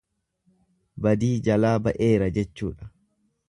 Badii jalaa ba'eera jechuudha.